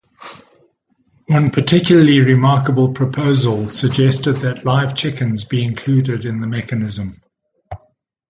One particularly remarkable proposal suggested that live chickens be included in the mechanism.